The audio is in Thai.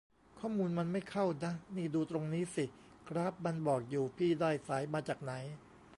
ข้อมูลมันไม่เข้านะ นี่ดูตรงนี้สิ กราฟมันบอกอยู่ พี่ได้สายมาจากไหน